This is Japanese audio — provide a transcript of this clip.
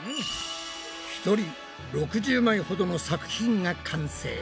１人６０枚ほどの作品が完成。